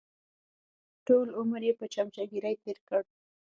ټول عمر یې په چمچهګیري تېر کړ.